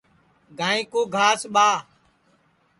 گائیں کُو گھاس ٻاہ